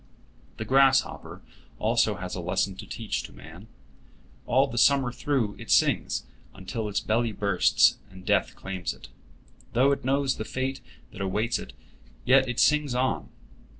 The grasshopper also has a lesson to teach to man. All the summer through it sings, until its belly bursts, and death claims it. Though it knows the fate that awaits it, yet it sings on.